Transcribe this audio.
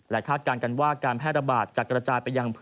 และฆาตการกันว่าการแพร่ระบาดจะกระจายไปยัง